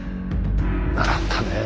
習ったねえ。